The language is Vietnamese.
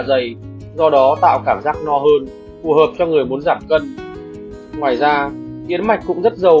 dày do đó tạo cảm giác no hơn phù hợp cho người muốn giảm cân ngoài ra hiến mạch cũng rất giàu